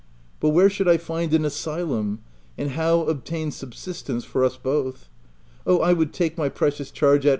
But where should I find an asylum, and how obtain subsistence for us both? Oh, I would take my precious charge at OF WILDFELL HALL.